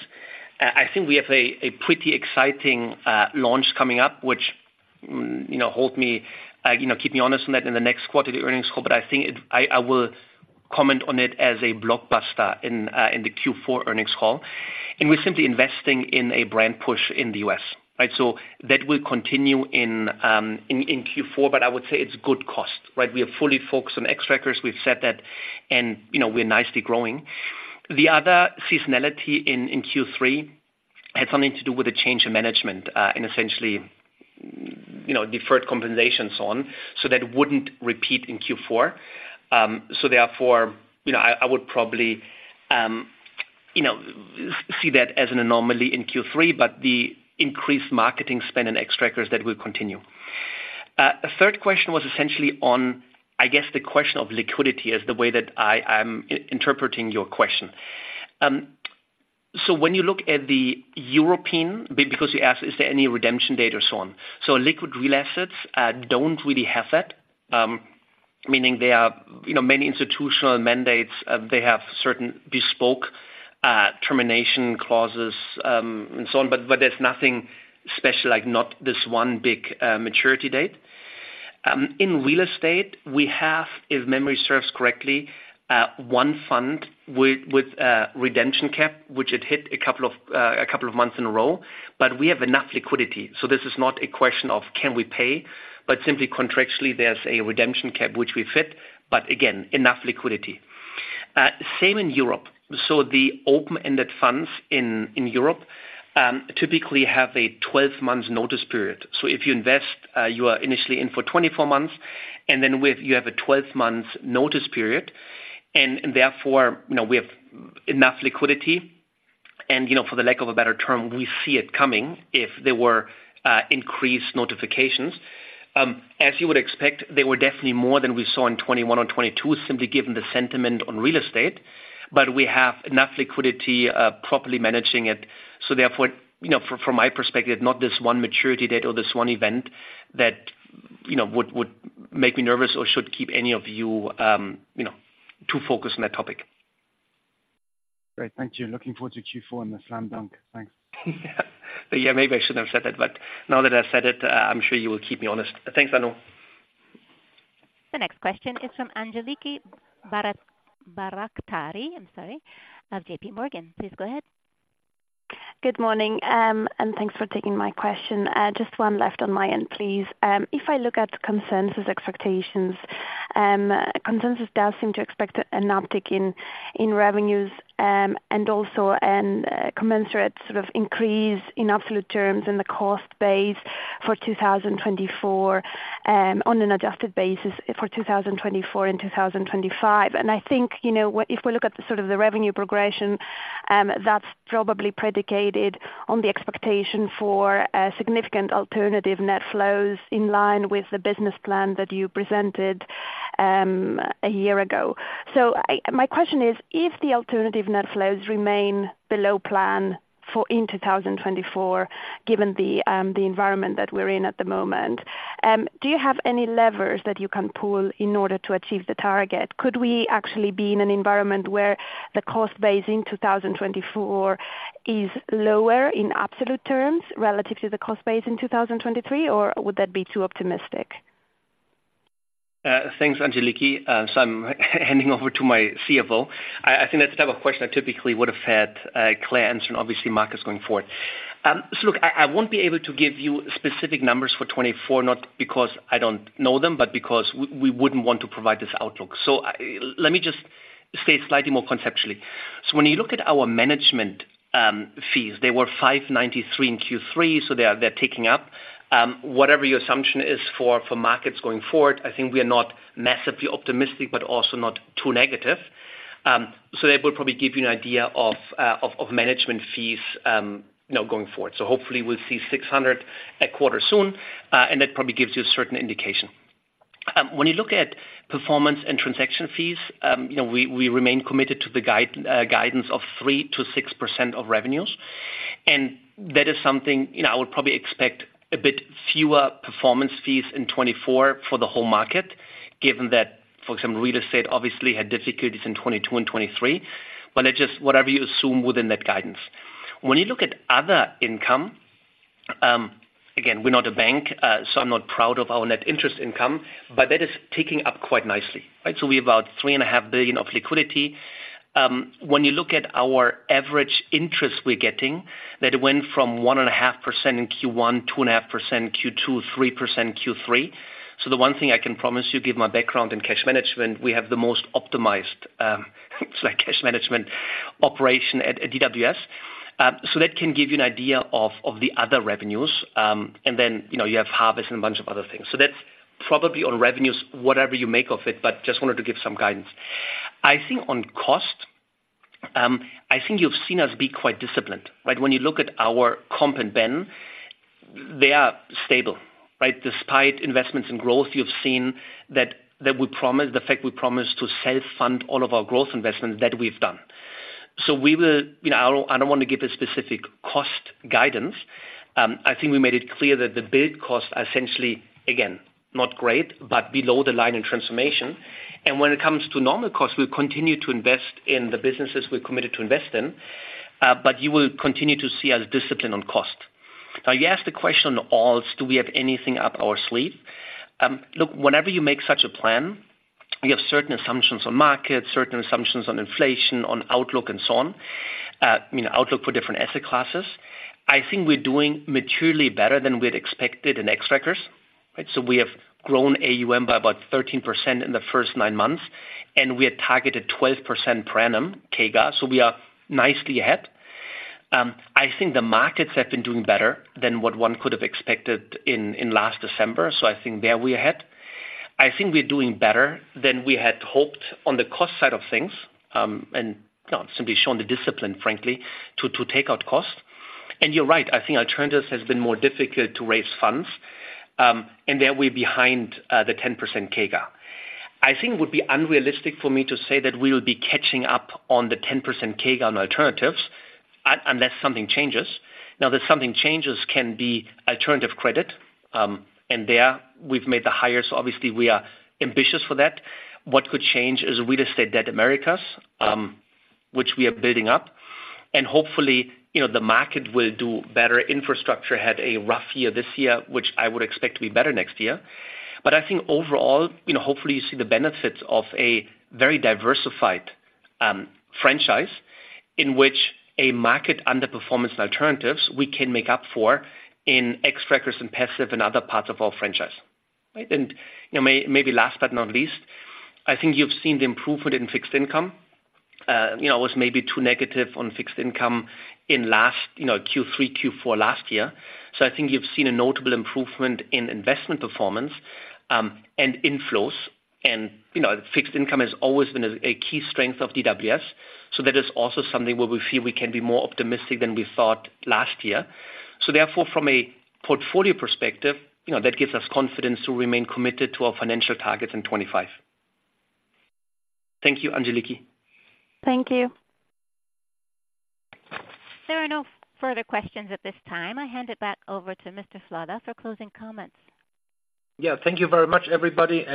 I think we have a pretty exciting launch coming up, which. You know, hold me, you know, keep me honest on that in the next quarterly earnings call, but I think it, I, I will comment on it as a blockbuster in, in the Q4 earnings call. And we're simply investing in a brand push in the U.S., right? So that will continue in, in, in Q4, but I would say it's good cost, right? We are fully focused on Xtrackers. We've said that and, you know, we're nicely growing. The other seasonality in, in Q3 had something to do with a change in management, and essentially, you know, deferred compensation and so on, so that wouldn't repeat in Q4. So therefore, you know, I, I would probably, you know, see that as an anomaly in Q3, but the increased marketing spend on Xtrackers, that will continue. The third question was essentially on, I guess, the question of liquidity, is the way that I'm interpreting your question. So when you look at the European, because you asked, is there any redemption date or so on? So Liquid Real Assets don't really have that. Meaning they are, you know, many institutional mandates, they have certain bespoke termination clauses, and so on, but, but there's nothing special, like, not this one big maturity date. In real estate, we have, if memory serves correctly, one fund with a redemption cap, which it hit a couple of months in a row, but we have enough liquidity, so this is not a question of can we pay, but simply contractually there's a redemption cap, which we fit, but again, enough liquidity. Same in Europe. So the open-ended funds in Europe typically have a 12-month notice period. So if you invest, you are initially in for 24 months, and then you have a 12-month notice period, and therefore, you know, we have enough liquidity. And, you know, for the lack of a better term, we see it coming if there were increased notifications. As you would expect, they were definitely more than we saw in 2021 or 2022, simply given the sentiment on real estate, but we have enough liquidity, properly managing it. So therefore, you know, from my perspective, not this one maturity date or this one event that, you know, would make me nervous or should keep any of you too focused on that topic. Great. Thank you. Looking forward to Q4 and the slam dunk. Thanks. Yeah, maybe I shouldn't have said that, but now that I've said it, I'm sure you will keep me honest. Thanks, Arnaud. The next question is from Angeliki Bairaktari, I'm sorry, of JPMorgan. Please go ahead. Good morning, and thanks for taking my question. Just one left on my end, please. If I look at consensus expectations, consensus does seem to expect an uptick in revenues, and also a commensurate sort of increase in absolute terms in the cost base for 2024, on an adjusted basis for 2024 and 2025. And I think, you know, if we look at the sort of the revenue progression, that's probably predicated on the expectation for a significant alternative net flows in line with the business plan that you presented a year ago. So I, my question is: If the alternative net flows remain below plan for 2024, given the environment that we're in at the moment, do you have any levers that you can pull in order to achieve the target? Could we actually be in an environment where the cost base in 2024 is lower in absolute terms relative to the cost base in 2023, or would that be too optimistic? Thanks, Angeliki. So I'm handing over to my CFO. I think that's the type of question I typically would have had Claire answer, and obviously Markus going forward. So look, I won't be able to give you specific numbers for 2024, not because I don't know them, but because we wouldn't want to provide this outlook. So I, let me just state slightly more conceptually. So when you look at our management fees, they were 593 million in Q3, so they are, they're ticking up. Whatever your assumption is for markets going forward, I think we are not massively optimistic, but also not too negative. So that will probably give you an idea of management fees, you know, going forward. So hopefully we'll see 600 a quarter soon, and that probably gives you a certain indication. When you look at performance and transaction fees, you know, we remain committed to the guidance of 3%-6% of revenues. And that is something, you know, I would probably expect a bit fewer performance fees in 2024 for the whole market, given that, for example, real estate obviously had difficulties in 2022 and 2023, but that's just whatever you assume within that guidance. When you look at other income, again, we're not a bank, so I'm not proud of our net interest income, but that is ticking up quite nicely, right? So we have about 3.5 billion of liquidity. When you look at our average interest we're getting, that went from 1.5% in Q1, 2.5% Q2, 3% Q3. So the one thing I can promise you, given my background in cash management, we have the most optimized cash management operation at DWS. So that can give you an idea of the other revenues. And then, you know, you have Harvest and a bunch of other things. So that's probably on revenues, whatever you make of it, but just wanted to give some guidance. I think on cost, I think you've seen us be quite disciplined, right? When you look at our comp and benefits, they are stable, right? Despite investments in growth, you've seen that the fact we promise to self-fund all of our growth investments, that we've done. So we will. You know, I don't want to give a specific cost guidance. I think we made it clear that the build costs are essentially, again, not great, but below the line in transformation. And when it comes to normal costs, we'll continue to invest in the businesses we're committed to invest in. But you will continue to see us discipline on cost. Now, you asked the question, on all, do we have anything up our sleeve? Look, whenever you make such a plan, you have certain assumptions on markets, certain assumptions on inflation, on outlook, and so on. You know, outlook for different asset classes. I think we're doing materially better than we had expected in Xtrackers, right? So we have grown AUM by about 13% in the first nine months, and we had targeted 12% per annum, CAGR, so we are nicely ahead. I think the markets have been doing better than what one could have expected in last December, so I think there we're ahead. I think we're doing better than we had hoped on the cost side of things, and, you know, simply shown the discipline, frankly, to take out costs. And you're right, I think alternatives has been more difficult to raise funds, and there we're behind, the 10% CAGR. I think it would be unrealistic for me to say that we will be catching up on the 10% CAGR on alternatives, unless something changes. Now, that something changes can be alternative credit, and there we've made the hires, so obviously we are ambitious for that. What could change is real estate debt Americas, which we are building up, and hopefully, you know, the market will do better. Infrastructure had a rough year this year, which I would expect to be better next year. But I think overall, you know, hopefully, you see the benefits of a very diversified, franchise, in which a market underperformance alternatives we can make up for in Xtrackers and Passive and other parts of our franchise, right? And, you know, maybe last but not least, I think you've seen the improvement in fixed income. You know, I was maybe too negative on fixed income in last, you know, Q3, Q4 last year. I think you've seen a notable improvement in investment performance, and inflows. You know, fixed income has always been a key strength of DWS, so that is also something where we feel we can be more optimistic than we thought last year. Therefore, from a portfolio perspective, you know, that gives us confidence to remain committed to our financial targets in 2025. Thank you, Angeliki. Thank you. There are no further questions at this time. I hand it back over to Mr. Flade for closing comments. Yeah, thank you very much, everybody.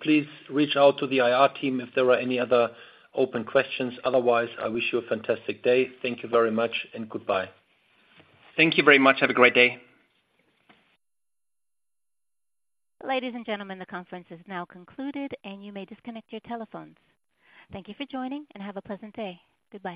Please reach out to the IR team if there are any other open questions. Otherwise, I wish you a fantastic day. Thank you very much, and goodbye. Thank you very much. Have a great day. Ladies and gentlemen, the conference is now concluded, and you may disconnect your telephones. Thank you for joining, and have a pleasant day. Goodbye.